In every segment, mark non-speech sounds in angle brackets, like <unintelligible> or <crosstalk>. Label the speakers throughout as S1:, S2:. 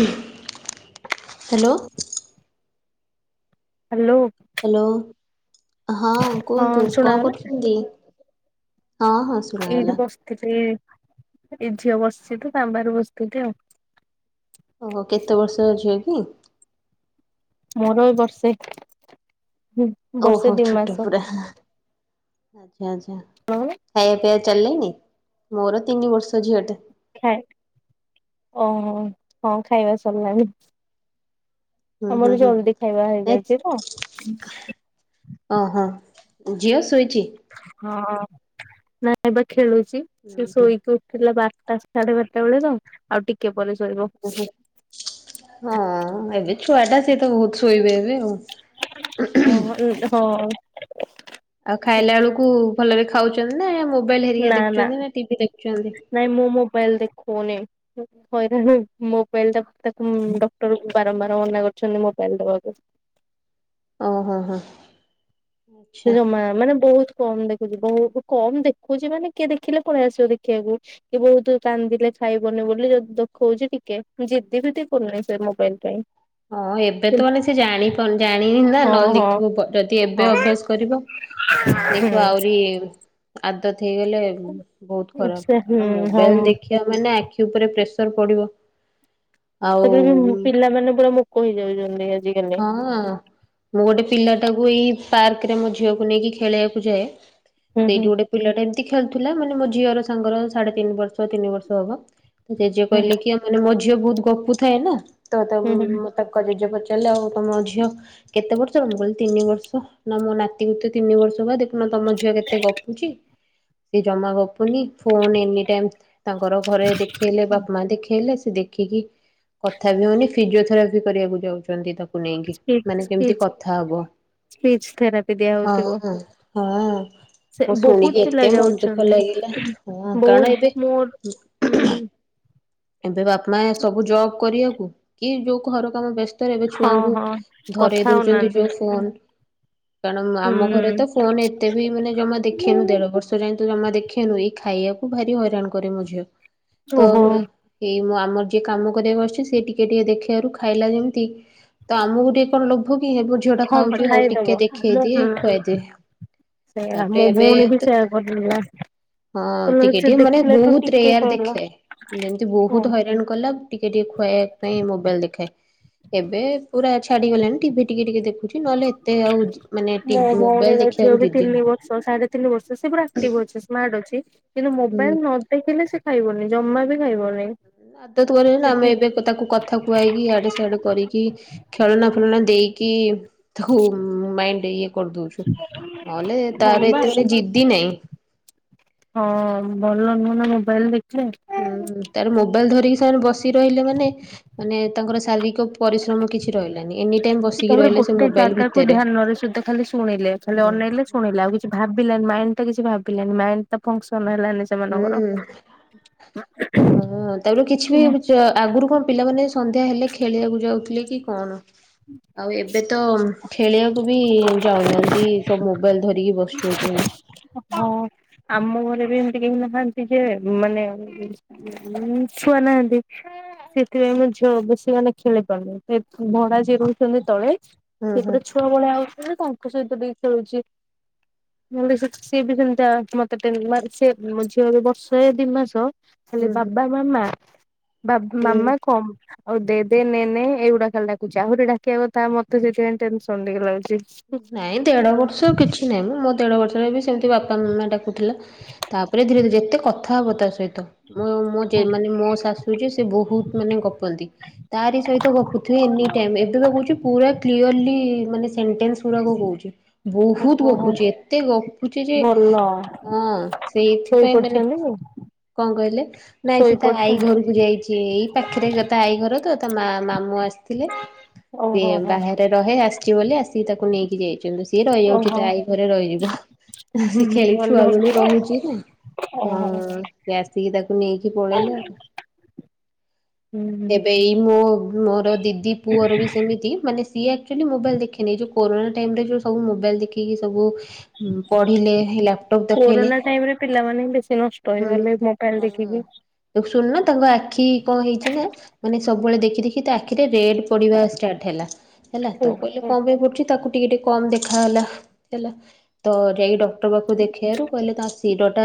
S1: ଉ hello
S2: hello.
S1: Hello ହଁ
S2: ହଁ
S1: କୁହନ୍ତୁ କଣ
S2: ଶୁଣାଗଲା
S1: କରୁଛନ୍ତି ହଁ ହଁ।
S2: ଏଇଠି
S1: ଶୁଣାଗଲା
S2: ବସଥିଲି। ଏଇ ଝିଅ ବସିଚି ତ ତା ବାହାରେ ବସିଥିଲି ଆଉ।
S1: ଓହୋ କେତେ ବର୍ଷ ଝିଅ କି?
S2: ମୋର ଏ ବର୍ଷେ ହୁଁ।
S1: ଓହୋ ଛୋଟ ପୁରା ଆଚ୍ଛା।
S2: ଆପଣଙ୍କ ର?
S1: ଖାଇବା ପିଇଆ ଚାଲିଲାଣି? ମୋର ତିନି ବର୍ଷ ଝିଅ ଟେ।
S2: ଖାଇ ଓହୋ ହଁ ଖାଇବା ସରିଲାଣି।
S1: ହୁଁ ହୁଁ
S2: ଆମର
S1: ହୁଁ
S2: ଜଲଦି ଖାଇବା
S1: ନାଇଁ
S2: ହେଇଯାଇଚି ତ।
S1: ଅହ ଝିଅ ଶୋଇଚି?
S2: ହଁ ନାଇଁ ଏବେ ଖେଳୁଚି।
S1: ହୁଁ
S2: ସେ
S1: ହୁଁ
S2: ଶୋଇକି ଉଠ୍ ଠିଲା ବାରଟା ସାଢେ ବାରଟା ବେଳେ ତ ଆଉ ଟିକେ ପରେ ଶୋଇିବ।
S1: ହଁ ଏବେ ଛୁଆ ଟା ସିଏ ତ ବହୁତ୍ ଶୋଇବେ ଏବେ ଆଉ।
S2: ହଁ ହଁ <unintelligible>
S1: ଆଉ ଖାଇଲା ବେଳୁକୁ ଭଲରେ ଖାଉଚନ୍ତି ନା ମୋବାଇଲ ହେରିକା ଦେଖୁଚନ୍ତି ନା ଟିଭି ଦେଖୁଚନ୍ତି।
S2: ନାଇଁ ମୁଁ ମୋବାଇଲ୍ ଦେଖୋଉନି। ହଇରେ ଯୋଉ ମୋବାଇଲ୍ ଟା ତାକୁ ଡକ୍ଟର ବାରମ୍ବାର ମନା କରିଛନ୍ତି ମୋବାଇଲ୍ ଦବାକୁ।
S1: ଅ ହୋ ହୋ।
S2: ସେ
S1: ଆଚ୍ଛା
S2: ଜମା ମାନେ ବହୁତ୍ କମ୍ ଦେଖୁଚି ବହୁତ୍ କମ୍ ଦେଖୁଚି ମାନେ କିଏ ଦେଖିଲେ ପଳେଇ ଆସିବ ଦେଖିଆକୁ। କି ବହୁତୁ କାନ୍ଦିଲେ ଖାଇବନି ବୋଲି ଯଉି ଦୁ ହଉଛି ଟିକେ। ଜିଦି ଫିଦି କରୁନି ସେ ମୋବାଇଲି ପାଇଁ।
S1: ହଁ ଏବେ ତ ମାନେ ସେ ଜାଣିପାରୁନି ଜାଣିନି ନା
S2: ହଁ
S1: ନହେଲେ
S2: ହଁ
S1: ଦେଖିବୁ ପ ଯଦି ଏବେ
S2: ହଁ
S1: ଅଭ୍ୟାସ କରିବ। ଦେଖିବ ଆହୁରି। ଆଦତ ହେଇଗଲେ ବହୁତୁ
S2: ହୁଁ
S1: ଖରାପ
S2: ସେ ହୁଁ
S1: କାରଣ ମୋବାଇଲି
S2: ହଁ
S1: ଦେଖିବା ମାନେ ଆଖି ଉପରେ ପ୍ରେସର ପଡିବ ଆଉ
S2: ସେତେବେଳେ ବି ପିଲାମାନେ ପୁରା ମୁକ ହେଇଯାଉଛନ୍ତି ଆଜି।
S1: ହଁଅ। ମୁଁ ଗୋଟେ ପିଲାଟାକୁ ଏଇ ପାର୍କ ରେ ମୋ ଝିଅକୁ ନେଇକି ଖେଳିବାକୁ ଯାଏ।
S2: ହୁଁ
S1: ସେଇଠି
S2: ହୁଁ
S1: ଗୋଟେ ପିଲା ଟା ଏମିତି ଖେଳୁଥିଲା ମାନେ ମୋ ଝିଅର ସାଙ୍ଗର ସାଢେ ତିନି ବର୍ଷ ତିନି ବର୍ଷ ହବ। ଜେଜେ କହିଲେ
S2: ହୁଁ
S1: କି ମାନେ ମୋ ଝିଅ ବହୁତୁ ଗପୁ ଥାଏ ନା। ତ
S2: ହୁଁ ହୁଁ
S1: ତାଙ୍କ ଜେଜେ କହିଛ ତାହେଲେ ଆଉ ତମ ଝିଅ କେତେ ବର୍ଷର ମୁଁ କହିଲି ତିନି ବର୍ଷ। ନା ମୋ ନାତିକୁ ତ ତିନି ବର୍ଷ ବା ଦେଖୁନା ତମ ଝିଅ କେତେ ଗପୁଛି। ସେ ଜମା ଗପୁନି ଫୋନ ଏନି ଟାଇମ୍ ତାଙ୍କର ଘରେ ଦେଖେଇଲେ ବାପା ମା ଦେଖେଇଲେ ସେ ଦେଖିକି। କଥା ବି ହଉନି ଫିଜୋଥୋରୋ ପି କରିବାକୁ ଯାଉଛନ୍ତି ଯ। ନେଇକି।
S2: ସ୍ପିଚ୍
S1: ମାନେ ଯେମିତି
S2: ସ୍ପିଚ୍
S1: କଥା ହବ।
S2: ସ୍ପିଚ୍ ଥେରାପି ଦିଆ
S1: ହଁ
S2: ହଉଥିବ।
S1: ହଁ। ହଁ
S2: ସେ
S1: ମୁଁ
S2: ବହୁତ
S1: ଶୁଣିକି
S2: ପିଲା
S1: ଏତେ ମନ ଦୁଃଖ
S2: ଯାଉଛନ୍ତି
S1: ଲାଗିଲା। ହଁ
S2: ବହୁତ
S1: କାରଣ ଏବେ।
S2: ମୋର ହୁଁ ହୁଁ।
S1: ଏବେ ବାପା ମାଆ ଏ ସବୁ ଜବ୍ କରିବାକୁ। କି ଯୋଉ ଘର କାମ ବ୍ୟସ୍ତ ବ୍ୟସ୍ତ ରେ ଏବେ
S2: ହଁ
S1: ଛୁଆଙ୍କୁ
S2: ହଁ କଥା
S1: ଧରାଇ ଦଉଛନ୍ତି
S2: ହଉନାହାନ୍ତି
S1: ଯଉ
S2: ହୁଁ।
S1: ଫୋନ କାରଣ ଆମ ଘରେ ତ ଫୋନ ଏତେ ବି ମାନେ ଜମା ଦେଖେଇନୁ
S2: ହୁଁ
S1: ଦେଢ ବର୍ଷ। ତ ଯେନ୍ତୁ ଜମା ଦେଖେଇନି ଏଇ ଖାଇବାକୁ ଭାରି ହଇରାଣ କରେ ମ ଝିଅ ତ
S2: ଓହୋ
S1: ଏଇ ମୁଁ ଆମର ଯିଏ କାମ କରିବାକୁ ଆସିଛି ସେ ଟିକେ ଟିକେ ଦେଖେଇବାରୁ ଖାଇଲା ଯେମିତି ତ ଆମକୁ ଟିକେ କଣ ଲୋଭ କି ହେ ମୋ ଝିଅ ଟା
S2: ହଁ
S1: ଖାଉଛି ହଉ
S2: ଖାଇଦବ
S1: ଟିକେ
S2: ମୁଁ
S1: ଦେଖେଇଦିଏ
S2: ହୁଁ
S1: ଖୁଆଇଦିଏ।
S2: ସେଇଆ
S1: ତାପରେ
S2: ମୋ
S1: ଏବେ
S2: ଭଉଣୀ ବି
S1: ତ
S2: ସେୟା କରୁଥିଲ।
S1: ହଁ ଟିକେ ଟିକେ ମାନେ ବହୁତୁ ରେୟାର
S2: କହିଲା
S1: ଦେଖେ। ଯେମିତି
S2: ହଁ
S1: ବହୁତୁ ହଇରାଣ କଲା ଟିକେ ଟିକେ ଖୁଆଇବା ପାଇଁ ମୋବାଇଲି ଦେଖାଏ। ଏବେ ପୁରା ଛାଡିଗଲେଣି ଟିଭି ଟିକେ ଟିକେ ଦେଖୁଛି। ନହେଲେ ଏତେ ଆଉ ମାନେ ଟିଭୁ ମୋବାଇଲ ଦେଖିବାକୁ ଯିଦି ନାଇଁ।
S2: ସନ ସାଢେ ତିନି ବର୍ଷ ସେ ପୁରା ଆକ୍ଟିଭ ଅଛି ସ୍ମାର୍ଟ ଅଛି କିନ୍ତୁ
S1: ହୁଁ
S2: ମୋବାଇଲ ନୁ ଦେଖିଲେ ସେ ଖାଇବନି ଜମା ବି ଖାଇବନି।
S1: ଆଦତ କରିବେନି ନା, ଆମେ
S2: ସେଠି
S1: ଏବେ ତାକୁ କଥା କୁଆଇକି ଇଆଡ଼େ ସିଆଡେ କରିକି ଖେଳନା ଫେଳନା ଦେଇକି। ତାକୁ ମାଇଣ୍ଡି ଇଏ କରିଦଉଛୁ। ନହେଲେ
S2: ହଁ
S1: ତାର
S2: ବା
S1: ଏତେ ମେ ଜିଦି ନାହିଁ।
S2: ହଁ ଭଲ ନୁହେ ନା ମୋବାଇଲ ଦେଖିଲେ।
S1: ହୁଁ ତାର ମୋବାଇଲ ଧରିକି ସେମାନେ ବସି ରହିଲେ ମାନେ ମାନେ ତାଙ୍କର ଶାରୀରିକ ପରିଶ୍ରମ କିଛି ରହିଲାନି। ଏନି ଟାଇମ ବସିକି
S2: ତାପରେ
S1: ରହିଲେ ସେ
S2: ଗୋଟେ
S1: ମୋବାଇଲ
S2: ଜାଗାକୁୁ
S1: ଭିତରେ।
S2: ଧ୍ୟାନ ନରେ ସିଏତେ ଖାଲି ଶୁଣିଲେ ଖାଲି
S1: ହୁଁ
S2: ଅନେଇଲେ ଶୁଣିଲେ ଆଉ କିଛି ଭାବିଲାନି ମାଇଣ୍ଡି ଟା କିଛି ଭାବିଲାନି ମାଇଣ୍ଡି ଫୋକସନ ହେଲାନି।
S1: ହୁଁ।
S2: ସେମାନଙ୍କର।
S1: ହଁ ତାପରେ କିଛି ବି ବିଚ ଆଗରୁ କଣ ପିଲାମାନେ ସନ୍ଧ୍ୟା ହେଲେ ଖେଳିବାକୁ ଯାଉଥିଲେ କି କଣ ଆଉ ଏବେ ତ ଖେଳିବାକୁ ବି ଯାଉନାହାନ୍ତି ସବୁ ମୋବାଇଲ ଧରିକି ବସିଯାଉଛନ୍ତି।
S2: ଓହୋ ଆମ ଘରେ ବି ଏମିତି କେହି ନାହାନ୍ତି ଯେ ମାନେ ଉଁ ଛୁଆ ନାହାନ୍ତି। ସେଥିପାଇଁ ମୋ ଝିଅ ବେଶୀ ମାନେ ଖେଳି ପାରୁନି। ସେ ଭଡା ଯିଏ ରହୁଛନ୍ତି ତଳେ
S1: ହୁଁ ହୁଁ
S2: ସେପଟେ ଛୁଆ ମୋଳେ ଆଉଛିନ୍ତି ତାଙ୍କ ସହିତ ଟିକେ ଖେଳୁଛି। ନହେଲେ ସେ ସିଏ ବି ସେମିତି ଆ ମତେ ଟେ ମାନେ ମୋ ଝିଅ ବର୍ଷ ଦି ମାସ। ଖଲେ
S1: ହୁଁ
S2: ବାବା ମାମା ବା
S1: ହୁଁ
S2: ମାମା କମ୍ ଆଉ ଦେ ଦେ ନେନେ ଏଇଗୁଡା ଖାଲି ଡାକୁଚଛି ଆହୁରି ଡାକିବା କଥା ମତେ ସେଥିପାଇଁ ଟେନସନ ଟିକେ ଲାଗୁଛି।
S1: ନାଇଁ ଦେଢ ବର୍ଷ କିଛି ନାଇଁ ମୁଁ ମୋ ଦେଢ ବର୍ଷରେ ସେମିତି ବାପା ମାମା ଡ଼ାକୁ। ତାପରେ ଧୀରେ ଧୀରେ ଯେତେ କଥା ହବ ତା ସହିତ ମୋ ମାନେ ମୋ ଶାଶୁ ଯେ ସେ ବହୁତ ମାନେ ଗପନ୍ତି। ତାରି ସହିତ ଗପୁଥିବେ ଏନି ଟାଇମ ଏବେ ତ କହୁଛି ପୁରା। କ୍ଲିୟର ଲି ମାନେ ସେଣ୍ଟେନ୍ସ ଗୁଡାକ କହୁଛି।
S2: ଓହୋ
S1: ବହୁତ ଗପୁଛି ଏତେ ଗପୁଛି ଯେ
S2: ଭଲ
S1: ହଁ
S2: ଶୋଇ
S1: ସେଇଥିପାଇଁ ମାନେ
S2: ପଡିଛନ୍ତି
S1: କଣ କହିଲେ ନାଇଁ
S2: ଶୋଇ
S1: ସି ତା ଆଈ
S2: ପଡିଛନ୍ତି।
S1: ଘରକୁ ଯାଇଛି ଏଇ ପାଖରେ ଗ ତା ଆଈ ଘର ତ ତା ମା ମାମୁଁ ଆସିଥିଲେ। ସେ
S2: ଓହୋ ହୋ
S1: ବାହାରେ ରହେ ଆସିଛି ବୋଲି ଆସିକି ତାକୁ ନେଇକି ଯାଇଛନ୍ତି। ସିଏ ରହିଯାଉଛି
S2: ଓହୋ
S1: ତ ଆଈ ଘରେ ରହିଯିବ ସେ ଖେଳ
S2: ଭଲ
S1: ଛୁଆ ବେଳୁ ରହୁଛି ନା।
S2: ଓହୋ
S1: ହଁ ଆସିକି ତାକୁ ନେଇକି ପଳେଇଲେ ଆଉ।
S2: ହୁଁ
S1: ଏବେ ଏଇ ମୋ ମୋର ଦିଦି ପୁଅର ବି ସେମିତି ମାନେ ସିଏ ଆକଚୁଆଲି ମୋବଲ ଦେଖନି ଏଇ ଯୋଉ କୋରୋନା ଟାଇମରେ ଯଉ ସବୁ ମୋବାଇଲ ଦେଖିକି ସବୁ ପଢି଼ଲେ ହେଲା।
S2: କୋରୋନା ଟାଇମ ରେ ପିଲାମାନେ ବେଶୀ ନଷ୍ଟ ହେଇଗଲେ ମୋବାଇଲ ଦେଖିକି।
S1: ଶୁଣୁ ନା ତାଙ୍କ ଆଖି କଣ ହେଇଛି ନା ମାନେ ସବୁବେଳେ ଦେଖି ଦେଖି ତା ଆଖିରେ ରେଡ୍ ପଢିବା ଷ୍ଟାର୍ଟ ହେଲା ହେଲା ତ କହିଲେ
S2: ଓହୋ
S1: କଣ ପାଇଁ ପଡ଼ୁଛି ତାକୁ ଟିକେ ଟିକେ କମ ଦେଖାହଲା ହେଲା ତ ଯାଇ ଡକ୍ ଡ଼କ୍ଟର ପାଖକୁ ଦେଖେଇବାରୁ କହିଲେ ତା ଶିରଟା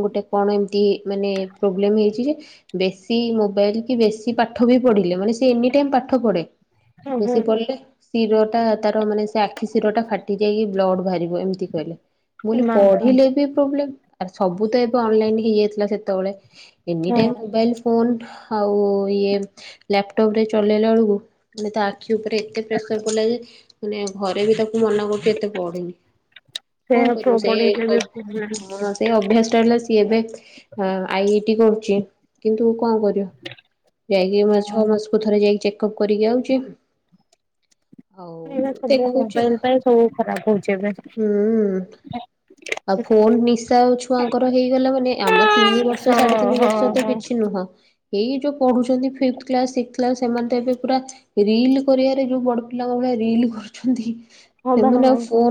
S1: ଗୋଟେ କଣ ଏମିତି ମାନେ ପ୍ରୋବ୍ଲେମ୍ ହେଇଛି, ଯେ ବେଶୀ ମୋବାଇଲ କି ବେଶୀ ପାଠ ବି ପଢି଼ଲେ ମାନେ ସେ ଏନି ଟାଇମ ପାଠ ପଢେ଼।
S2: ଓହୋ
S1: ବେଶୀ ପଡ଼ିଲେ ଶିର ଟା ତାର ମାନେ ଆଖି ଶିର ଟା ଫାଟି ଯାଇକି ବ୍ଲଡ଼‌ ବାହାରିବ ଏମିତି କହିଲେ, ମୁଁ କହିଲି
S2: ମା
S1: ପଢିଲେ ବି ପ୍ରୋବ୍ଲେମ। ସବୁ ତ ଏବେ ଅନଲାଇନ ହେଇଯାଇଥିଲା ସେତେବେଳେ
S2: ହଁ
S1: ଏନିଟାଇମ ମୋବାଇଲ କୁଲ୍ ଆଉ ଇଏ ଲାପଟପ ରେ ଚଲେଇଲା ବେଳକୁ ମାନେ ତା ଆଖି ଉପରେ ଏତେ ପ୍ରେସର ପଡି଼ଲା ଯେ ମାନେ ଘରେ ବି ତାକୁ ମନା କରଛୁ ଏତେ ପଢ଼ନି, କଣ
S2: ସେଇଆ
S1: କରିବୁ
S2: ପ୍ରବଳିରେ ବି ପ୍ରୋବ୍ଲେମ
S1: ସେ--ହଁ ସେ ଅଭ୍ୟାସ ଟା ହେଲା ସିଏ ଏବେ ଆଇ ଆଇ ଟି କରୁଛି କିନ୍ତୁ କଣ କରିବ? ଯାଇକି
S2: ହଁ
S1: ଛଅ ମାସକୁ ଥରେ ଯାଇକି ଚେକ୍ ଅପ୍ କରିକି ଆଉଛି।
S2: ବେ
S1: ଆଉ
S2: ସବୁ
S1: ଦେଖଉଚି ଆଉ।
S2: ମୋବାଇଲ ପାଇଁ ସବୁ ଖରାପ ହଉଛି ଏବେ।
S1: ହୁଁ। ଆଉ ଫୋନ୍ ନିଶା ଆଉ ଛୁଆଙ୍କର ହେଇଗଲା ମାନେ ଆମର ତିନି ବର୍ଷ
S2: ହଁ
S1: ସାଢେ଼ ତିନି
S2: ହଁ
S1: ବର୍ଷ ତ
S2: ହଁ
S1: କିଛି ନୁହଁ। ଏଇ ଯୋଉ ପଢୁ଼ଛନ୍ତି ଫିଫ୍ଥ କ୍ଲାଶ୍ ସିକ୍ କ୍ଲାସ ସେମାନେ ତ ଏବେ ପୁରା। ରିଲ କରିବାରେ ଯୋଉ ବଡ଼୍ ପିଲାଙ୍କ ଭଳିଆ ରିଲ କରୁଛନ୍ତି,
S2: ହଁ ବା
S1: ସେମାନେ ଆଉ
S2: ହଁ
S1: ଫୋ ଉ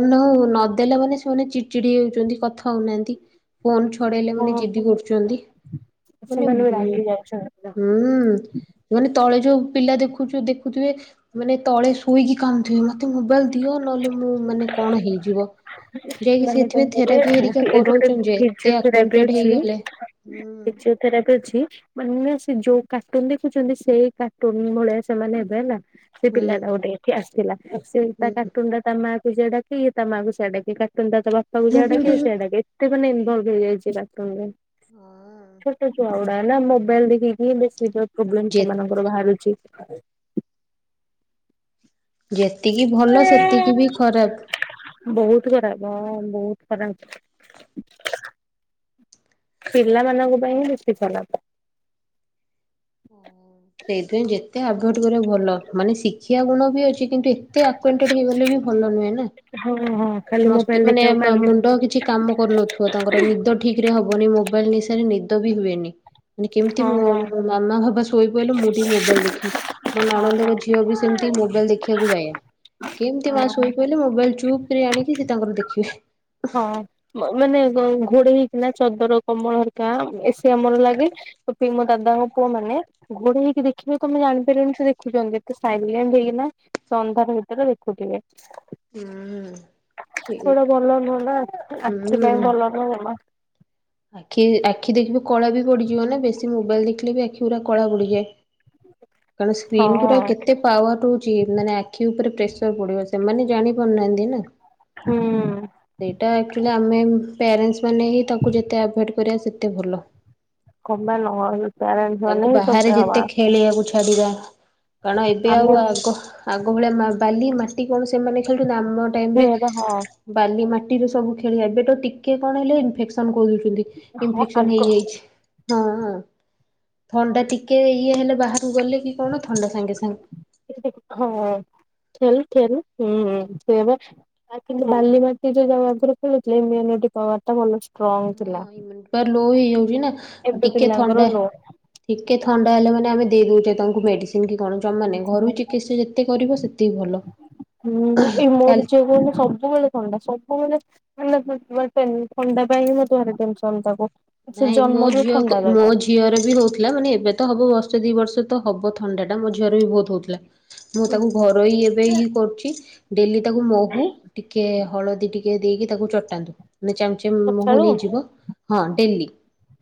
S1: ନଦେଲେ ମାନେ ସେମାନେ ଚିଡ୍ ଚିଡି଼ ହେଉଛନ୍ତି କଥା ହଉନାହାନ୍ତି ଫୋନ୍ ଛଡେ଼ଇଲେ ମାନେ
S2: ହଁ
S1: ଜିଦି କରୁଛନ୍ତି ମାନେ
S2: ସେମାନେ ବି
S1: ବୋ
S2: ରାଗି ଯାଉଛନ୍ତି
S1: ହୁଁ। ମାନେ ତଳେ ଯୋଉ ପିଲା ଦେଖୁଛ ଦେଖୁଥିବେ ମାନେ ତଳେ ଶୋଇକି କାନ୍ଦୁଥିବେ ମା ମୋବାଇଲ ଦିଅ ନହେଲେ ମୁଁ ମାନେ କଣ ହେଇଯିବ? ଯାଇକି
S2: ମାନେ କଣ
S1: ସେଥିପାଇଁ
S2: କହିଲେ
S1: ଥେରାପି ହେରିକା
S2: ଏଇଠି ଗୋଟେ
S1: କରୋଉଚଲନ୍ତି ଯେ ଏତେ
S2: ଫିଜିଓଥେରାପି
S1: ଆକ୍ଵାଣ୍ଟେଡ୍
S2: ଅଛି
S1: ହେଇଗଲେ।
S2: ଫିଜିଓଥେରାପି ଅଛି। ମାନେ ସେ ଯୋଉ କାର୍ଟୁନ ଦେଖୁଛନ୍ତି ସେଇ କାର୍ଟୁନ ଭଳିଆ ସେମାନେ ହେବେ ହେଲା। ସେ ପିଲା
S1: ହୁଁ
S2: ଟା ଗୋଟେ ଏଠି ଆସିଥିଲା ସେ
S1: ହୁଁ
S2: ତା କାଟୁନ୍ ଟା ତା ମାକୁ ଯା ଡ଼ାକି ତା ମା ସେଇଟା କି କାର୍ଟୁନକୁ ବାପାକୁ ଯା ଡାକେ଼ କି
S1: ହୁଁ।
S2: ସେଇଟା ଏତେ ମାନେ ଇନଭଲବ୍ ହେଇଯାଇଛି କାଟୁନରେ ଛୋଟ ଛୁଆଗୁଡା଼ ନା ମୋବାଇଲ ଦେଖିକି ବେଶି ତ ପ୍ରୋବ୍ଲେମ
S1: ଯେ
S2: ସେମାନଙ୍କ ମୋର ବାହାରୁଛି।
S1: ଯେତିକି ଭଲ ସେତିକି ବି ଖରାପ୍।
S2: ବହୁତ ଖରାପ ହଁ ବହୁତ ଖରାପ। ପିଲାମାନଙ୍କ ପାଇଁ ହିଁ ବେଶୀ ଖରାପ୍।
S1: ସେଇଥିପାଇଁ ଯେତେ ଆଭଏଟ କରିବ ଭଲ, ମାନେ ଶିଖୀବା ଗୁଣ ବି ଅଛି କିନ୍ତୁ ଏ ଏତେ ଆକ୍ୱେଣ୍ଟେଡ୍ ହେଇଗଲେ ବି ଭଲ ନୁହେଁ ନା।
S2: ହଁ ହଁ ଖାଲି
S1: ମସ୍ତି
S2: ମୋବାଇଲ
S1: ମାନେ
S2: ଦେଖିବାକୁ କାନ୍ଦିବେ।
S1: ମୁଣ୍ଡ କିଛି କାମ କରୁନଥିବ ତାଙ୍କର ନିଦ ଠିକ୍ ଠିକରେ ହବନି ମୋବାଇଲ ନିଶାରେ ନିଦ ବି ହୁଏନି ମାନେ କେମିତି
S2: ହଁ ହଁ
S1: ମାମା ବାବା ଶୋଇ ମୁଁ ଟିକେ ମୋବାଇଲ ଦେଖିବି, ମୋ ନଣନ୍ଦଙ୍କ ଝିଅ ବି ସେମିତି ମୋବାଇଲ ଦେଖିବାକୁ ବାୟା। କେମତି
S2: ହଁ
S1: ମା
S2: ହଁ।
S1: ଶୋଇ ପଇଲେ ମୋବାଇଲ ଚୁପ୍ କିରି ଆଣିକି ସେ ତାଙ୍କର ଦେଖିବେ।
S2: ହଁ ମାନେ ଘୋଡେ଼ଇ ହେଇକିନା ଚଦର କମଳ ହେରିକା ଏ ସି ଆମର ଲାଗେ। ତ ପି ମୋ‌ ଦାଦାଙ୍କ ପୁଅମାନେ ଘୋଡ଼େହେଇକି ଦେଖିବେ ତମେ ଜାଣିପାରିବନି ସେ ଦେଖୁଛନ୍ତି, ଏତେ ସାଇଲେଣ୍ଟ ହେଇକି ନା ସେ ଅନ୍ଧାର ଭିତରେ ଦେଖୁଥିବେ।
S1: ହୁଁ ହୁଁ ଫିରି।
S2: ସେଗୁଡା ଭଲ ନୁହଁ ନା ଆଖି ପାଇଁ ଭଲ ନୁହଁ ଜମା।
S1: ଆଖି ଆଖି ଦେଖିବେ କଳା ବି ପଡ଼ିଯିବ ନା ବେଶୀ ମୋବାଇଲ ଦେଖିଲେ ବି ଆଖି ଗୁରା କଳା ପଡ଼ିଯାଏ। କାରଣ ସ୍କ୍ରିନ ଗୁରା
S2: ହଁ
S1: ଆଉ କେତେ ଏତେ ପାୱାର ରହୁଛି ମାନେ ଆଖି ଉପରେ ପ୍ରେସର ପଡି଼ବ ସେମାନେ ଜାଣି ପାରୁନାହାନ୍ତି ନା।
S2: ହୁଁ।
S1: ଏଇଟା ଆକ୍ଚୁଆଲି ଆମେ ପ୍ୟାରେଣ୍ଟସ୍ ମାନେ ହିଁ ତାକୁ ଯେତେ ଆଭଏଡ଼୍ କରିବା ସେତେ ଭଲ।
S2: କଣ ପାଇଁ ନୁହଁ
S1: ହୁଁ
S2: ପ୍ୟାରେଣ୍ଟସ୍
S1: ତାଙ୍କୁ
S2: ମାନେ ହିଁ
S1: ବାହାରେ
S2: ସଭ୍ୟ ହବା
S1: ଯେତେ ଖେଳିବାକୁ ଛ ଛାଡ଼ିବା, କାଣ ଏବେ ଆଉ
S2: ଆମେ
S1: ଆଗ ଆଗ ଭଳିଆ ମା ବାଲି, ମାଟି କଣ ସେମାନେ ଖେଳୁଛନ୍ତି? ଆମ ଟାଇମ୍ ରେ
S2: ସେଇବା ହଁ
S1: ବାଲି ମାଟିରେ ସବୁ ଖେଳିଆ। ଏବେ ତ ଟିକେ କଣ ହେଲେ ଇନଫେକ୍ସନ୍ କଇ ଦଉଛନ୍ତି।
S2: ହଁ
S1: ଇନଫେକ୍ସନ୍
S2: ଆଗ
S1: ହେଇଯାଇଛି। ହଁ ହଁ ଥଣ୍ଡା ଟିକେ ଇଏ ହେଲେ ବାହାର୍ କୁ ଗଲେ କି କଣ ଥଣ୍ଡା ସାଙ୍ଗେ ସାଙ୍ଗ୍।
S2: ହଁ ଖେଳି ଖେରୁ ହୁଁ ସେଇଆବା ଆ କିନ୍ତୁ ବାଲି ମାଟିରେ ଯୋଉ ଆଗରୁ ଖେଳୁଥିଲେ, ଇମ୍ୟୁନିଟି ପୱାର୍ ଟା ଭଲ ଷ୍ଟ୍ରଙ୍ଗ ଥିଲା।
S1: ହଁ ଇମ୍ୟୁନିଟି ପୱାର୍ ଲୋ ହେଇଯାଉଛି ନା,
S2: ଏବେ
S1: ଟିକେ
S2: ପିଲାଙ୍କର
S1: ଥଣ୍ଡା
S2: ଲୋ
S1: ଟିକେ ଥଣ୍ଡା ହେଲା ମାନେ ଆମେ ଦେଇ ଦଉଛେ ତାଙ୍କୁ ମେଡିସିନ୍। କିମିତି କଣ ଜମା ନାଇଁ ଘରୋଇ ଚିକିତ୍ସା ଯେତେ କରିବ ସେତିକି ଭଲ।
S2: ଏବେ ମାନେ ସବ ସବୁବେଳେ ଥଣ୍ଡା। ସବୁବେଳେ ଥଣ୍ଡା ଥଣ୍ଡା ପାଇଁ ମତେ ଭାରି ଟେନସନ୍ ତାକୁ। ସେ
S1: ନାଇଁ ମୋ
S2: ଜନ୍ମରୁ
S1: ଝିଅକୁ
S2: ଥଣ୍ଡା
S1: ମୋ
S2: ତାକୁ
S1: ଝି ଝିଅର ବି ହଉଥିଲା, ମାନେ ଏବେ ତ ହବ ବର୍ଷେ ଦି ବର୍ଷ ତ ହବ ଥଣ୍ଡା ଟା ମୋ ଝିଅରେ ବି ବହୁତ ହଉଥିଲା। ମୁଁ ତାକୁ ଘରୋଇ ଏବେ ହିଁ କରୁଛି। ଡ଼େଲି ତାକୁ ମହୁ, ଟିକେ ହଳଦୀ ଟିକେ ଦେଇକି ତାକୁ ଚଟାନ୍ତୁ। ନେ ଚାମ୍ ଯେ ମହୁ
S2: ସକାଳୁ
S1: ନେଇଯିବ, ହଁ ଡ଼େଲି।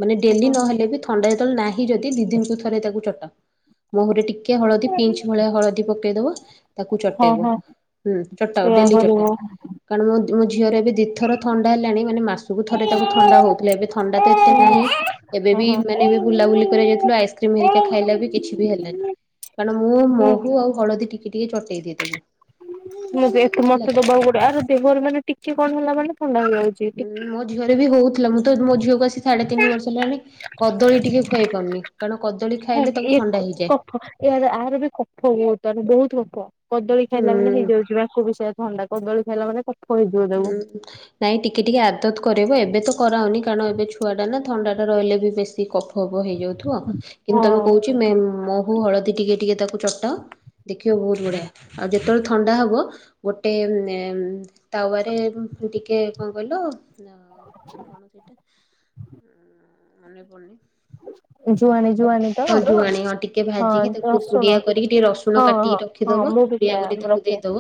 S1: ମାନେ ଡ଼େଲି ନ ହେଲେବି ଥ୍ ଥଣ୍ଡା ଯେତେବେଳେ ନାହିଁ ଯଦି ଦି ଦିନକୁ ଥରେ ତାକୁ ଚଟାଅ। ମହୁରେ ଟିକେ ହଳଦୀ ପିଞ୍ଚ୍ ଭଳିଆ ହଳଦୀ ପ ପକେଇଦବ। ତାକୁ
S2: ହଁ
S1: ଚଟେଇବ
S2: ହଁ
S1: ହୁଁ ଚଟାଅ,
S2: ସେଇଆ
S1: ଡ଼େଲି ଚଟାଅ।
S2: କରିବୁ।
S1: କାରଣ ମୋ ମୋ ଝିଅର ଏବେ ଦିଥର ଥଣ୍ଡା ହେଲାଣି, ମାନେ ମାସକୁ ଥରେ ତାକୁ ଥଣ୍ଡା ହଉଥିଲା ଏବେ ଥ୍ ଥଣ୍ଡା ତ ଏତେ ନାହିଁ, ଏବେ
S2: ହୁଁ
S1: ବି
S2: ହୁଁ।
S1: ମାନେ ଏବେ ବୁଲାବୁଲି କରିଆକୁ ଯାଇଥିଲୁ ଆଇସ୍କ୍ରିମ୍ ହେରିକା ଖାଇଲା ବି କିଛି ବି ହେଲାନି। କାରଣ ମୁଁ
S2: ହୁଁ
S1: ମହୁ ଆଉ ହଳଦୀ ଟିକେ ଟିକେ ଚଟେଇ ଦିଏ ତାକୁ।
S2: ମୁଁ ଏତେ
S1: ହେଲା।
S2: ମତେ ଦବାକୁ ପଡ଼ିଅ ଆର ଦେହରେ ମାନେ ଟିକେ କଣ ହେଲା ମାନେ ଥଣ୍ଡା ହେଇଯାଉଛି।
S1: ହୁଁ ମୋ ଝିଅର ବି ହୋଉଥିଲା ମୁଁ ତ ମୋ ଝିଅକୁ ଆସିି ସାଢେ଼ ତିନି ବର୍ଷ ହେଲାଣି କଦଳୀ ଟିକେ ଖୁଆଇ ପାରୁନି କାରଣ କଦଳୀ ଖାଇଲେ ତାକୁ ଥଣ୍ଡା ହେଇଯାଏ।
S2: ଏହାର ଆହାର ବି କଫ ହୁଏ ବହୁତ ମାନେ ବହୁତ କଫ କଦଳୀ ଖାଇଲା ମାନେ
S1: ହୁଁ
S2: ହେଇଯାଉଛି ବା ଆକୁ ବି ସେଇଆ ଥଣ୍ଡା କଦଳୀ ଖାଇଲା ମାନେ କଫ ହେଇଯିବ ତାକୁ।
S1: ହୁଁ। ନାଇଁ ଟିକେ ଟିକେ ଆଦତ କରେଇବ ଏବେ ତ କରାଅନି କାରଣ ଏବେ ଛୁଆ ଟା ନା ଥଣ୍ଡା ଟା ରହିଲେ ବି ବେଶୀ କଫ କବ ହେଇଯାଉଥିବ କିନ୍ତୁ ତାକୁ
S2: ହଁ
S1: କହୁଛି ମେ ମହୁ ହଳଦୀ ଟିକେ ଟିକେ ତାକୁ ଚଟାଅ ଦେଖିବ ବହୁତ ବଢ଼ିଆ ଆଉ ଯେତେବେଳେ ଥଣ୍ଡା ହବ ଗୋଟେ ନେମ୍ ତାୱାରେ ଟିକେ କଣ କହିଲ? କଣ
S2: <inaudible>
S1: ସେଇଟା ଉଁ ମନେ ପଡ଼ୁନି।
S2: <inaudible> ଯୁଆଣି ଯୁଆଣି ତ
S1: ଜୁଆଣି ହଁ ଟିକେ
S2: ହଁ
S1: ଭାଜିକି
S2: ଦ
S1: ତାକୁ
S2: ଶୁଣ
S1: ପୁଡିଆ କରିକି ଟିକେ ରସୁଣ
S2: ହଁ
S1: କାଟିକି
S2: ହଁ।
S1: ରଖିଦବ
S2: ହଁ ମୁଁ ବି
S1: ପୁଡିଆ କରି
S2: ସେଇଆ
S1: ତାକୁ
S2: ରଖେ
S1: ଦେଇଦବ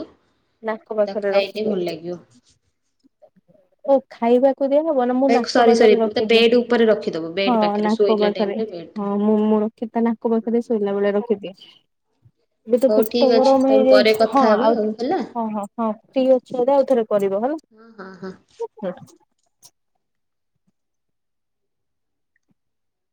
S2: ନାକ
S1: ତାକୁ
S2: ପାଖରେ
S1: ଖାଇଲେ ଭଲ
S2: ରଖିଦିଏ।
S1: ଲାଗିବ।
S2: ଓ ଖାଇବା କ୍ କୁ ଦେଇ ହବନି ମୁଁ ନାକ
S1: ସରି ସରି
S2: ପାଖରେ
S1: ତା
S2: ରଖିଦିଏ
S1: ବେଡ୍ ଉପରେ ରଖିଦବ
S2: ହଁ
S1: ବେଡ୍ ପାଖରେ
S2: ନାକ
S1: ଶୋଇଲା
S2: ପାଖରେ
S1: ଟାଇମରେ ବେଡ୍
S2: ହଁ ମୁଁ ମୋର କେ ତା ନାକ ପାଖରେ ଶୋଇଲା ବେଳେ ରଖିଦିଏ। ଏବେ ତ
S1: ହଉ
S2: ପେଟ
S1: ଠିକ୍ ଅଛି
S2: ଗରମ
S1: ତମେ ପରେ
S2: ହେଇଯାଇଛି ହଁ
S1: କଥା ହବା
S2: ଆଉ
S1: ହେଲା
S2: ହଁ ହଁ ହଁ ଠିକ୍ ଅଛି ଏଟା ଆଉ ଥରେ କରିବ ହେଲା।
S1: ହଁ ହଁ ହଁ।
S2: <inaudible>